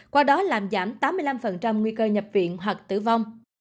qua đó làm giảm tám mươi năm nguy cơ nhập viện hoặc tử vong